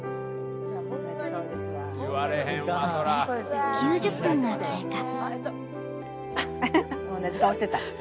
そして９０分が経過。